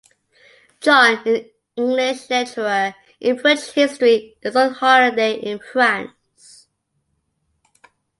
John, an English lecturer in French history, is on holiday in France.